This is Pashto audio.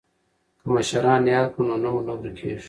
که مشران یاد کړو نو نوم نه ورکيږي.